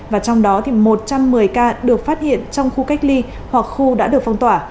và trong đó thì một trăm một mươi ca được phát hiện trong khu cách ly hoặc khu đã được phong tỏa